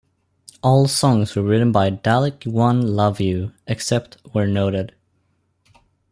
All songs were written by Dalek One Love You, except where noted.